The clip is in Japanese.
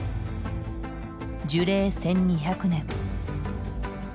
樹齢１，２００年。